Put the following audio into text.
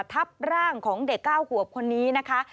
ทับร่างของเด็ก๙ขวบคนนี้นะคะ